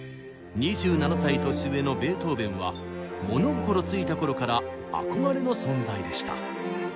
２７歳年上のベートーベンは物心ついた頃から憧れの存在でした。